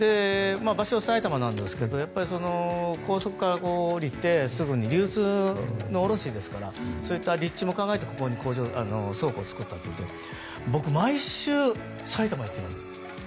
場所は埼玉なんですが高速から降りてすぐに流通の卸ですからそういった立地も考えてここに倉庫を作ったといって僕、毎週埼玉に行ってるんですよ。